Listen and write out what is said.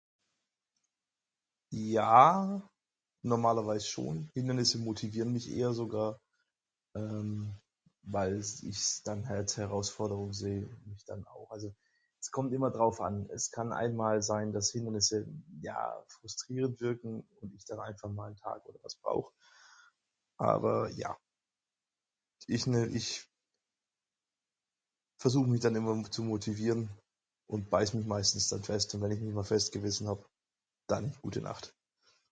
Ja normalerweise schon, Hindernisse motivieren mich eher sogar ehm weils ichs dann halt Herausforderung seh. [unintelligible] Also es kommt immer drauf an es kann einmal sein, das Hindernisse ja frustrierend wirken und ich dann einfach mal nen Tag oder was brauch. Aber Ja. Ich ne ich versuch mich dann immer zu motivieren und beiß mich meistens dann fest. Und wenn ich mich mal fest gebissen hab, dann gute Nacht.